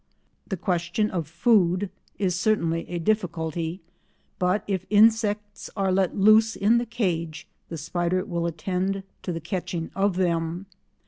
The question of food is certainly a difficulty, but if insects are let loose in the cage the spider will attend to the catching of them.